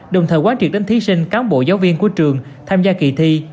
đồng thời quá truyệt đến thí sinh cám bộ giáo viên của trường tham gia kỳ thi